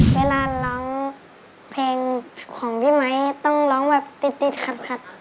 เวลาร้องเพลงของพี่ไมค์ต้องร้องแบบติดขัด